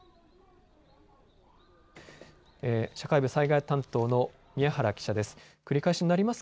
社会部災害担当の宮原記者です。